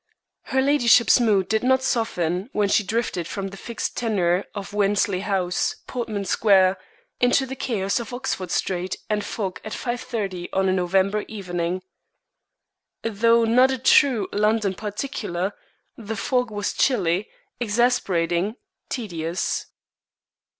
Her ladyship's mood did not soften when she drifted from the fixed tenure of Wensley House, Portman Square, into the chaos of Oxford Street and fog at 5.30 on a November evening. Though not a true "London particular," the fog was chilly, exasperating, tedious.